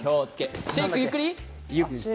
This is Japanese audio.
シェイクをゆっくり。